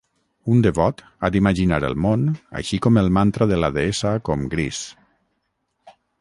Un devot ha d'imaginar el món així com el mantra de la deessa com gris.